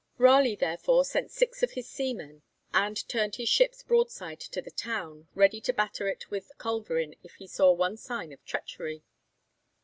Raleigh, therefore, sent six of his seamen, and turned his ships broadside to the town, ready to batter it with culverin if he saw one sign of treachery.